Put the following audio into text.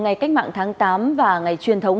ngày cách mạng tháng tám và ngày truyền thống